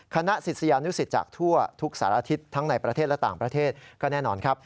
คณะศิษยานุสิตจากทั่วทุกสารอาทิตย์ทั้งในประเทศและต่างประเทศก็แน่นอนครับ